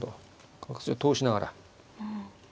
角筋を通しながら。